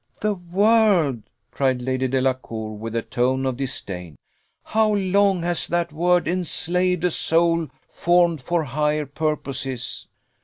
"The world!" cried Lady Delacour, with a tone of disdain: "how long has that word enslaved a soul formed for higher purposes!"